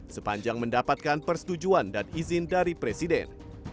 sepanjang mendapatkan persetujuan dan izin dari presiden